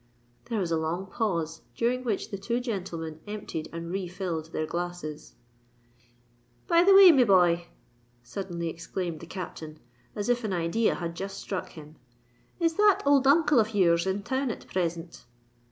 There was a long pause, during which the two gentlemen emptied and refilled their glasses. "Be the way, me boy," suddenly exclaimed the Captain, as if an idea had just struck him, "is that old uncle of yours in town at present?"